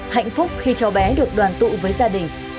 hạnh phúc khi cháu bé được đoàn tụ với gia đình